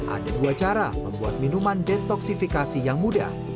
ada dua cara membuat minuman detoksifikasi yang mudah